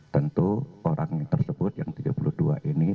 tentu orang tersebut yang tiga puluh dua ini